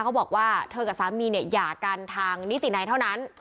เขาบอกว่าเธอกับสามีเนี่ยหย่ากันทางนิตินัยเท่านั้น